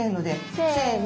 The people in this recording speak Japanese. せの。